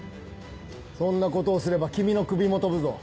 そんなことをすれば君の首も飛ぶぞ。